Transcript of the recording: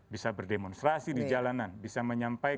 bisa berdemonstrasi di jalanan bisa menyampaikan